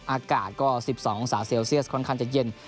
อากาศก็๑๒องศาเซลเซียสค่อนข้างจะเย็น